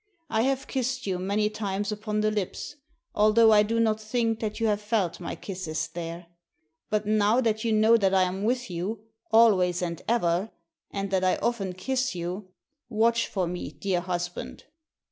I have kissed you many times upon the lips, although I do not think that you have felt my kisses there. But, now that you know that I am with you, always and ever, and that I often kiss you, watch for me, dear husband.